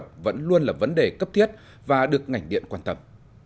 kỹ thuật vẫn luôn là vấn đề cấp thiết và được ngành điện quan tâm